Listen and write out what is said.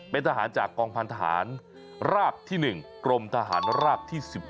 เป็นทหารจากกองพันธหารราบที่๑กรมทหารราบที่๑๖